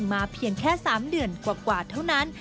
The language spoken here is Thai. เพียงแค่๓เดือนกว่าเท่านั้น